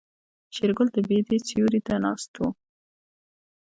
شېرګل د بيدې سيوري ته ناست و.